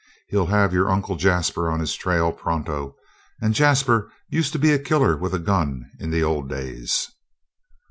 He'll have your Uncle Jasper on his trail pronto, and Jasper used to be a killer with a gun in the old days."